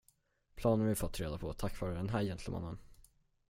Planer vi fått reda på tack vare den här gentlemannen.